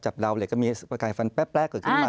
ราวเหล็กก็มีประกายฟันแป๊บเกิดขึ้นมา